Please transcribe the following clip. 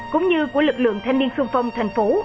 cũng như của lực lượng thanh niên xuân phong thành phố